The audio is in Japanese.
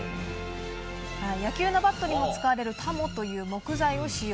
野球のバットにも使われるタモという木材を使用。